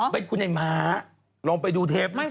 แบ็ดพี่หญิงหม้าลองไปดูเทปท์